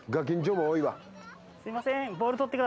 ・すいません。